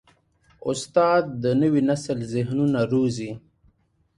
استاد د نوي نسل ذهنونه روزي.